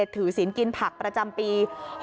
ถือศีลกินผักประจำปี๖๐